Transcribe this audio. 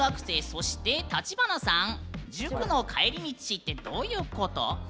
そして、橘さんは塾の帰り道ってどういうこと？